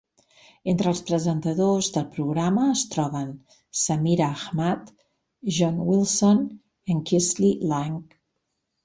Entre els presentadors del programa es troben Samira Ahmad, John Wilson i Kirsty Lang.